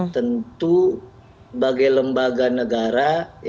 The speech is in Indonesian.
tentu sebagai lembaga negara